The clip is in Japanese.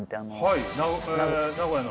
はい名古屋の。